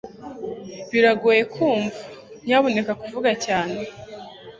biragoye kumva, nyamuneka vuga cyane